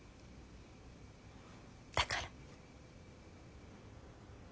だから。